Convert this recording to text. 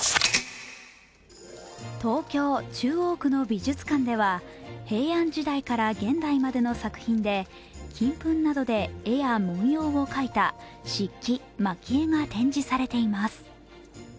東京・中央区の美術館では平安時代から現代までの作品で金粉などで絵や文様を描いた漆器、蒔絵が展示されています。